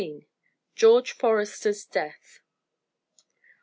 GEORGE FORESTER'S DEATH.